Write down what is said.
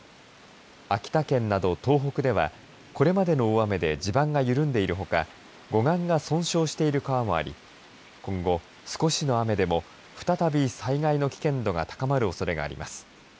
秋田県など、東北ではこれまでの大雨で地盤が緩んでいるほか護岸が損傷している川もあり今後、少しの雨でも再び災害の危険度が高まるおそれがあります。